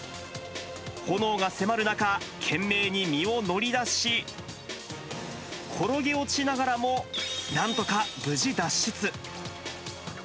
炎が迫る中、懸命に身を乗り出し、転げ落ちながらも、なんとか無事、脱出。